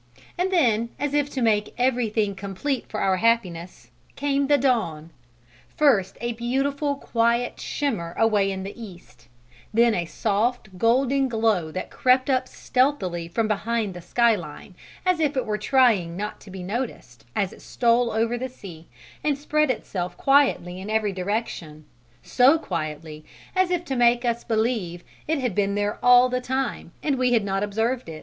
And then, as if to make everything complete for our happiness, came the dawn. First a beautiful, quiet shimmer away in the east, then a soft golden glow that crept up stealthily from behind the sky line as if it were trying not to be noticed as it stole over the sea and spread itself quietly in every direction so quietly, as if to make us believe it had been there all the time and we had not observed it.